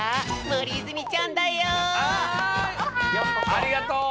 ありがとう！